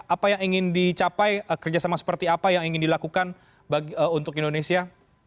apa yang ingin dicapai kerjasama seperti apa yang ingin dilakukan untuk indonesia